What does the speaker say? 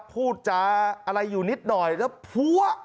พูดจาอะไรอยู่นิดหน่อยแล้วพัว